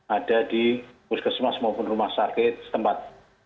ada di puskesmas maupun rumah sakit setempat